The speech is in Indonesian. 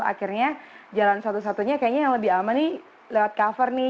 akhirnya jalan satu satunya kayaknya yang lebih aman nih lewat cover nih